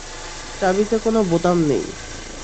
চাবিতে কোন বোতাম নেই।